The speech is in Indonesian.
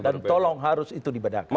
dan tolong harus itu dibedakan